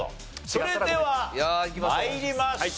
それでは参りましょう。